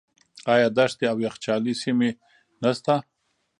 آیا دښتې او یخچالي سیمې نشته؟